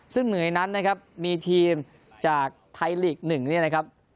ซึ่งเหมือนกันนั้นนะครับมีทีมจากไทยลีกซ์หนึ่งนี่นะครับ